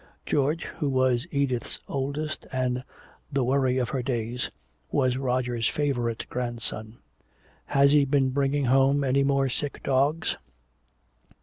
George, who was Edith's oldest and the worry of her days, was Roger's favorite grandson. "Has he been bringing home any more sick dogs?"